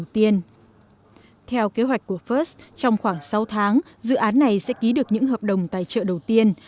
theo kế hoạch của first trong khoảng sáu tháng dự án này sẽ ký được những hợp đồng tài trợ đầu tiên